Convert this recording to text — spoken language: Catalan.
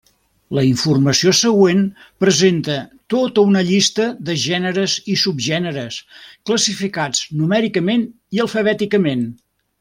La informació següent presenta tota una llista de gèneres i subgèneres classificats numèricament i alfabèticament.